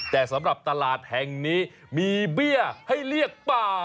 แต่สำหรับตลาดแห่งนี้มีเบี้ยให้เรียกป่า